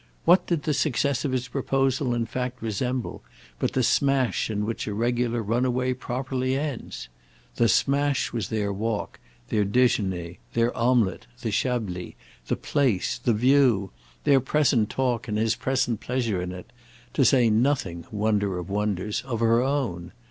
What did the success of his proposal in fact resemble but the smash in which a regular runaway properly ends? The smash was their walk, their déjeuner, their omelette, the Chablis, the place, the view, their present talk and his present pleasure in it—to say nothing, wonder of wonders, of her own.